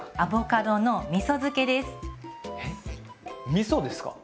みそですか？